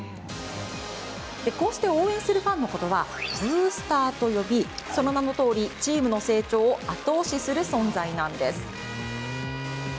こうして応援するファンのことはブースターと呼びその名のとおり、チームの成長を後押しする存在なんです。